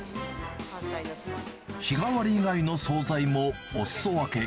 日替わり以外の総菜もおすそ分け。